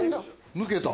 抜けた。